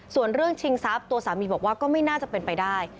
ส่วนเรื่องชิงทรัพย์ตัวสามีบอกว่าก็ไม่น่าจะเป็นไปได้